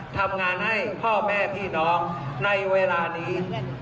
ทำงานให้พ่อแม่พี่น้องในเวลานี้